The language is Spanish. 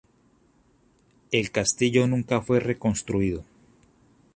El castillo nunca fue reconstruido.